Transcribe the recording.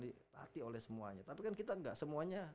dilatih oleh semuanya tapi kan kita enggak semuanya